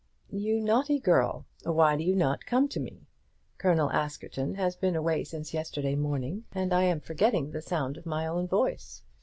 "You naughty girl, why do you not come to me? Colonel Askerton has been away since yesterday morning, and I am forgetting the sound of my own voice.